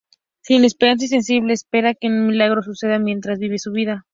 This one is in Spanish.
Sin esperanza y sensible, espera que un milagro suceda mientras vive su vida.